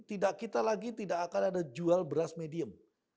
tidak kita lagi tidak akan ada jual beras medium